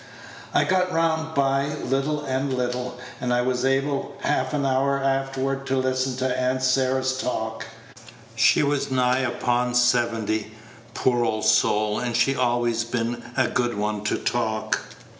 I got round by little and little, and I was able half an hour afterward to listen to Aunt Sarah's talk. She was nigh upon seventy, poor old soul, and she'd always been a good one to talk.